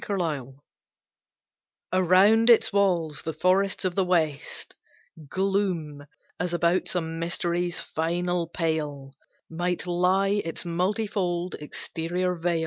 COPAN Around its walls the forests of the west Gloom, as about some mystery's final pale Might lie its multifold exterior veil.